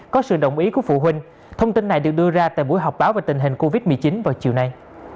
có sự đồng ý của phụ huynh thông tin này được đưa ra tại buổi họp báo về tình hình covid một mươi chín vào chiều nay